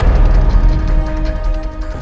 ini adalah keratunku